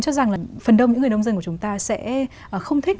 cho rằng là phần đông những người nông dân của chúng ta sẽ không thích